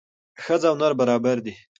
ښځه او نر برابر دي